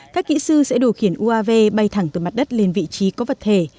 các kỹ sư sẽ điều khiển uav bay thẳng từ mặt đất lên vị trí có vật thể